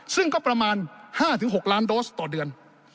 ซึ่งก็ประมาณ๕๖ล้านโดสต่อเดือน